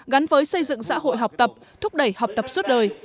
gắn với xây dựng xã hội học tập thúc đẩy học tập suốt đời